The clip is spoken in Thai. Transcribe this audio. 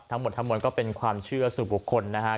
ทั้งหมดทั้งมวลก็เป็นความเชื่อสู่บุคคลนะครับ